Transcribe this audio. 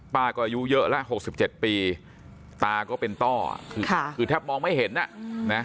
ป้าก็อายุเยอะแล้ว๖๗ปีตาก็เป็นต้อคือแทบมองไม่เห็นอ่ะนะ